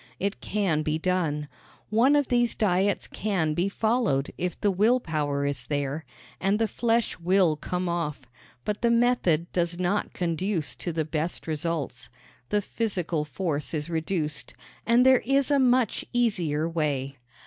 It can be done. One of these diets can be followed if the will power is there, and the flesh will come off; but the method does not conduce to the best results the physical force is reduced, and there is a much easier way.